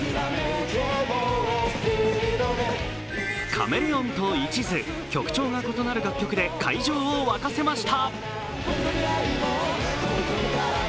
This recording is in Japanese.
「カメレオン」と「一途」、曲調が異なる楽曲で会場を沸かせました。